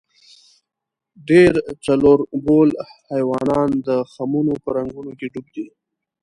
ډېر څلوربول حیوانان د خمونو په رنګونو کې ډوب دي.